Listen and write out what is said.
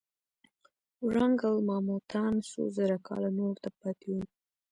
ورانګل ماموتان څو زره کاله نورو ته پاتې وو.